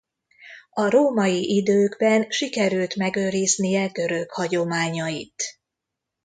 A római időkben sikerült megőriznie görög hagyományait.